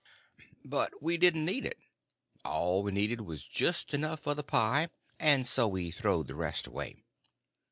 But we didn't need it. All we needed was just enough for the pie, and so we throwed the rest away.